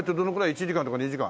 １時間とか２時間？